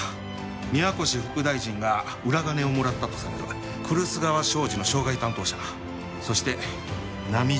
宮越副大臣が裏金をもらったとされる来栖川商事の渉外担当者そして波島